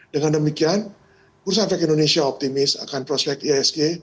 dengan demikian bursa fek indonesia optimis akan prospek isg